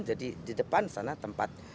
jadi di depan sana tempat